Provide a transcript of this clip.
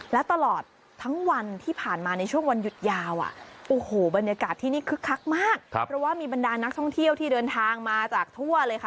และตลอดทั้งวันที่ผ่านมาในช่วงวันหยุดยาวโอ้โหบรรยากาศที่นี่คึกคักมากเพราะว่ามีบรรดานักท่องเที่ยวที่เดินทางมาจากทั่วเลยค่ะ